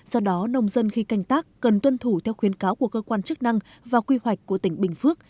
do đó nông dân khi canh tác cần tuân thủ theo khuyến cáo của cơ quan chức năng và quy hoạch của tỉnh bình phước